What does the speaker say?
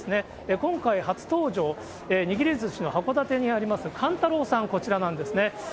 今回、初登場、握りずしの函館にありますかんたろうさん、こちらなんですね。